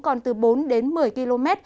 còn từ bốn một mươi km